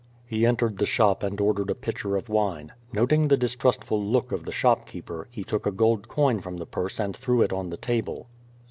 ^' He entered the shop and ordered a pitcher of wine. Not ing the distrustful look of the shopkeeper, he took a gold coin from the purse and threw it on the table.